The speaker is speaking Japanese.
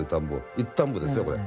一反歩ですよこれ。